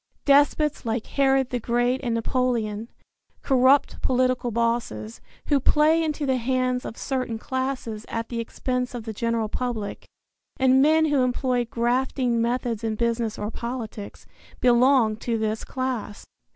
Despots like Herod the Great and Napoleon, corrupt political bosses, who play into the hands of certain classes at the expense of the general public, and men who employ grafting methods in business or politics, belong to this class.